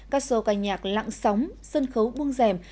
các show ca nhạc lặng sóng sân khấu buông rèm